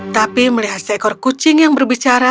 tapi melihat seekor kucing yang berbicara